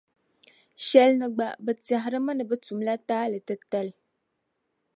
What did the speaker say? Shɛlini gba bɛ tɛhirimi ni bɛ tumla taali titali.